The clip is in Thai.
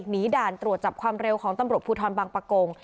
ด่านตรวจจับความเร็วของตำรวจภูทรบางปะโกง